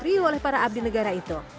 reu oleh para abdi negara itu